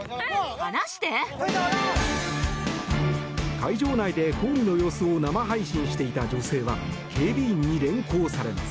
会場内で抗議の様子を生配信していた女性は警備員に連行されます。